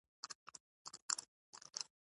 مشران باید څه وکړي؟